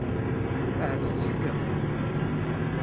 Ahat tecfiḍ.